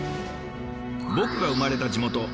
僕が生まれた地元。